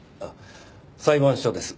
裁判所です。